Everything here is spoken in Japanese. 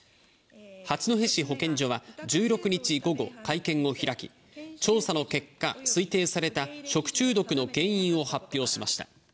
八戸市保健所は１６日午後会見を開き、調査の結果、推定された食中毒の原因を発表しました。